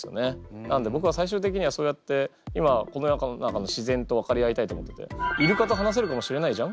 なんでぼくは最終的にはそうやって今この世の中の自然と分かり合いたいと思っててイルカと話せるかもしれないじゃん？